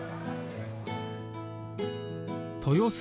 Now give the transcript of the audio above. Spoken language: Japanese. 豊洲